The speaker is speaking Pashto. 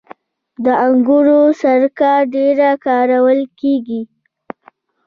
د انګورو سرکه ډیره کارول کیږي.